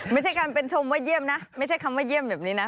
ไม่ใช่การเป็นชมว่าเยี่ยมนะไม่ใช่คำว่าเยี่ยมแบบนี้นะ